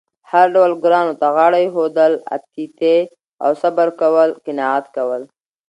هر ډول ګرانو ته غاړه اېښودل، اتیتې او صبر کول، قناعت کول